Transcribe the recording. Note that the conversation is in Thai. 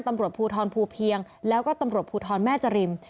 ตำรวจภูทรภูเพียงแล้วก็ตำรวจภูทรแม่จริม